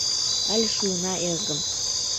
Але шуына, эргым.